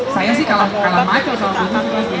saya sih kalau mau kalau macam